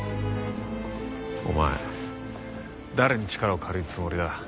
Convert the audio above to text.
お前誰に力を借りるつもりだ？